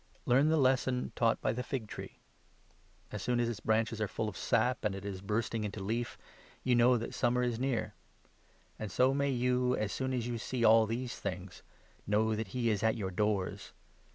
The Need Learn the lesson taught by the fig tree. As 32 for soon as its branches are full of sap, and it is watchfuines*. bursting into leaf, you know that summer is near. And so may you, as soon as you see all these things, 33 know that he is at your doors.